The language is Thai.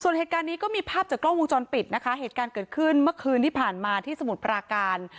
ส่วนเหตุการณ์นี้ก็มีภาพจากกล้องวงจรปิดนะคะเหตุการณ์เกิดขึ้นเมื่อคืนที่ผ่านมาที่สมุทรปราการ